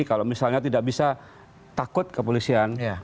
kalau misalnya tidak bisa takut kepolisian